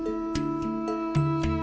supaya beliau lebih khusus